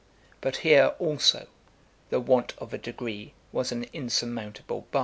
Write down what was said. But here, also, the want of a degree was an insurmountable bar.